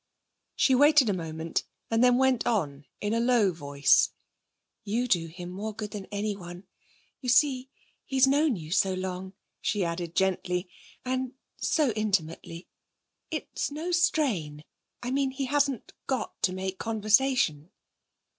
She waited a moment and then went on in a low voice: 'You do him more good than anyone. You see, he's known you so long,' she added gently, 'and so intimately. It's no strain I mean he hasn't got to make conversation.'